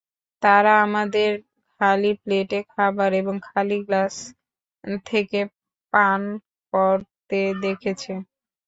তারা আমাদের খালি প্লেটে খাবার এবং খালি গ্লাস থেকে পান করতে দেখেছে।